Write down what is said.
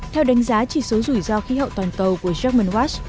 theo đánh giá chỉ số rủi ro khí hậu toàn cầu của jammen watch